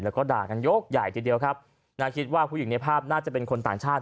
แล้วก็ด่ากันยกใหญ่ทีเดียวครับนะคิดว่าผู้หญิงในภาพน่าจะเป็นคนต่างชาติ